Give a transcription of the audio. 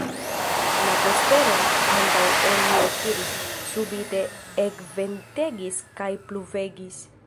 La vesperon antaŭ ol ni ekiris, subite ekventegis kaj pluvegis.